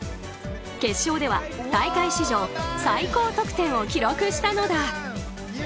決勝では大会史上最高得点を記録したのだ。